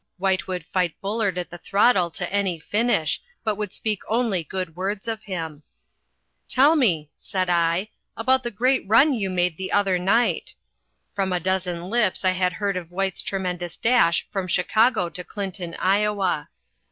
White would fight Bullard at the throttle to any finish, but would speak only good words of him. "Tell me," said I, "about the great run you made the other night." From a dozen lips I had heard of White's tremendous dash from Chicago to Clinton, Iowa.